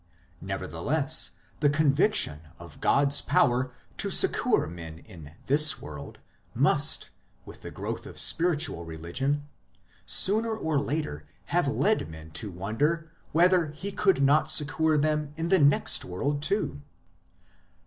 Nevertheless, the conviction of God s power to succour men in this world must, with the growth of spiritual religion, sooner or later have led men to wonder whether He could not succour them in the next world too.